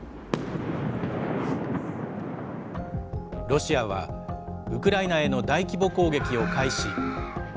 ロシアは、ウクライナへの大規模攻撃を開始。